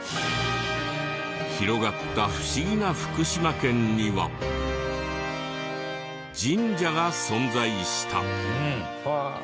広がった不思議な福島県には神社が存在した。